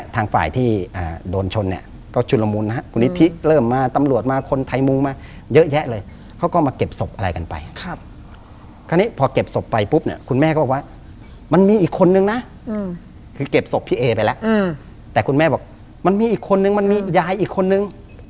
แต่คุณแม่บอกมันมีอีกคนนึงมันมียายอีกคนนึง